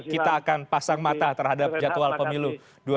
kita akan pasang mata terhadap jadwal pemilu dua ribu dua puluh empat